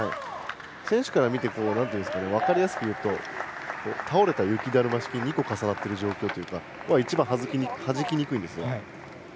選手から見て分かりやすく言うと倒れた雪だるま式に２個重なっている状況は一番はじきにくいんです。